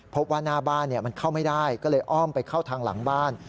พบว่าหน้าบ้านมันเข้าไม่ได้ก็เลยอ้อมไปเข้าทางหลังบ้าน